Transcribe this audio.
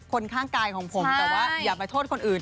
คนข้างกายของผมแต่ว่าอย่าไปโทษคนอื่น